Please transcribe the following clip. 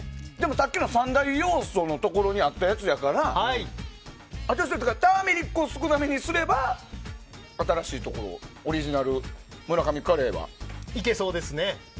さっきの三大要素のところにあったやつだからターメリックを少なめにすれば新しいところいけそうですね。